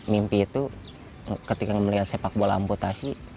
mimpi itu ketika melihat sepak bola amputasi